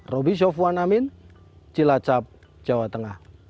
roby sofwan amin cilacap jawa tengah